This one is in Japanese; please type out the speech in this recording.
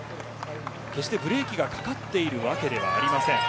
決してブレーキがかかっているわけではありません。